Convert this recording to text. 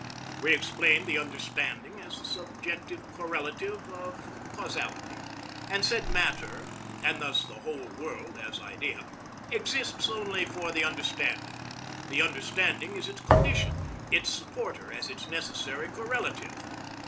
We explained the understanding as the subjective correlative of causality, and said matter (and thus the whole world as idea) exists only for the understanding; the understanding is its condition, its supporter as its necessary correlative.